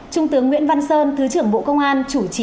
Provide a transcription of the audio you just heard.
trung tướng nguyễn văn sơn thứ trưởng bộ công an chủ trì buổi họp báo